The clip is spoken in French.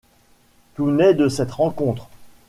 Tout naît de cette rencontre.